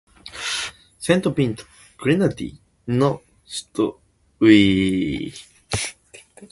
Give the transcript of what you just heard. セントビンセント・グレナディーンの首都はキングスタウンである